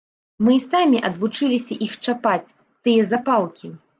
Мы і самі адвучыліся іх чапаць, тыя запалкі.